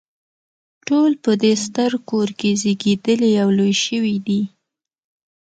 ټول په دې ستر کور کې زیږیدلي او لوی شوي دي.